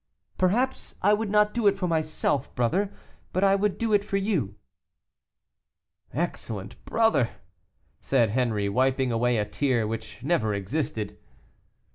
"Perhaps I would not do it for myself, brother, but I would do it for you." "Excellent brother!" said Henri, wiping away a tear which never existed.